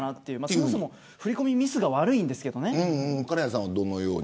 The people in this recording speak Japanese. そもそも振り込みミスが悪いんですけど。